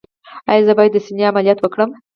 ایا زه باید د سینې عملیات وکړم؟